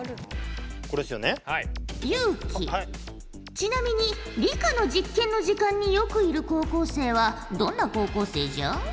ちなみに理科の実験の時間によくいる高校生はどんな高校生じゃ？